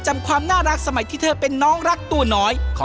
มารัยไทยรัก